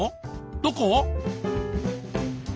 どこ？